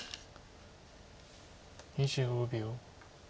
２５秒。